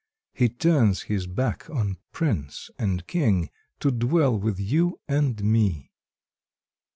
He turns his back on Prince and King To dwell with you and me.